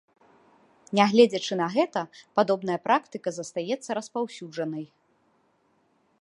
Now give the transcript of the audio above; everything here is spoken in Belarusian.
Нягледзячы на гэта, падобная практыка застаецца распаўсюджанай.